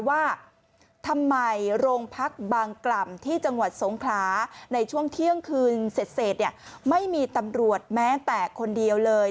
ว่าทำไมโรงพักบางกล่ำที่จังหวัดสงขลาในช่วงเที่ยงคืนเสร็จเนี่ยไม่มีตำรวจแม้แต่คนเดียวเลย